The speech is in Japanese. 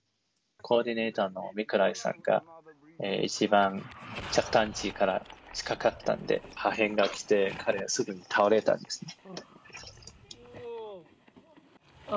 コーディネーターのミコラさんが、一番着弾地から近かったんで、破片が来て、彼はすぐに倒れたんですね。